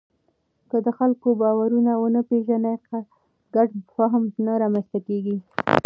که د خلکو باورونه ونه پېژنې، ګډ فهم نه رامنځته کېږي.